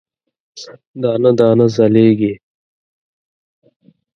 دانه، دانه ځلیږې